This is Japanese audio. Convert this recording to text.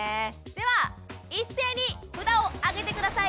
では一斉に札をあげて下さい。